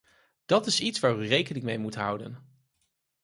Dat is iets waar u rekening mee moet houden.